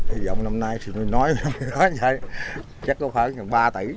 hy vọng năm nay thì nói như vậy chắc có khoảng ba tỷ được